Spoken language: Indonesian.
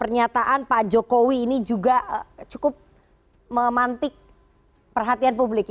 terima kasih anda masih bersama kami di political sy ing tadi ramai sekali perbincangannya tapi sebelum melanjutkan saya akan tunjukkan ya that security mrs qu niceee